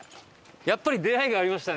やっぱり出会いがありましたね